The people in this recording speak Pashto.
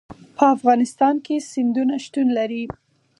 په افغانستان کې سیندونه شتون لري.